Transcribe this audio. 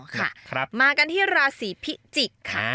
อ๋อค่ะมากันที่ราศิพิจิกค่ะ